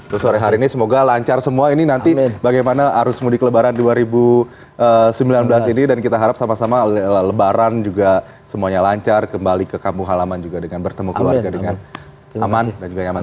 sore hari ini semoga lancar semua ini nanti bagaimana arus mudik lebaran dua ribu sembilan belas ini dan kita harap sama sama lebaran juga semuanya lancar kembali ke kampung halaman juga dengan bertemu keluarga dengan aman dan juga nyaman